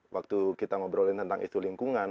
waktu kita ngobrolin tentang isu lingkungan